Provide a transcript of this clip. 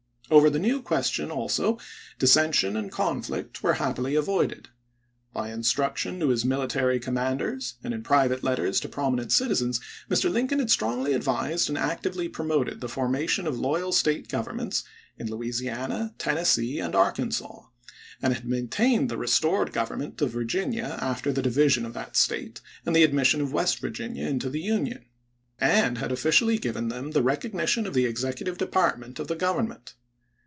Over the new question also dissension and conflict were happily avoided. By instruction to his military commanders and in private letters to prominent citizens Mr. Lincoln had strongly advised and actively promoted the formation of loyal State governments in Louisiana, Tennessee, and Arkansas, and had maintained the restored Government of Virginia after the division of that State and the admission of West Virginia into the Union, and had officially given them the recognition of the Executive Department of the Government.